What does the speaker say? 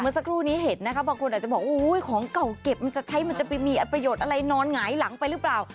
สักครู่นี้เห็นนะคะบางคนอาจจะบอกของเก่าเก็บมันจะใช้มันจะไปมีประโยชน์อะไรนอนหงายหลังไปหรือเปล่า